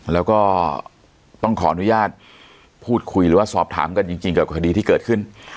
แล้วก็ต้องขออนุญาตพูดคุยหรือว่าสอบถามกันจริงกับคดีที่เกิดขึ้น